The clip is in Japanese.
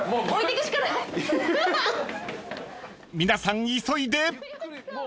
［皆さん急いで！］